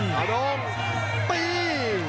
หาดงตี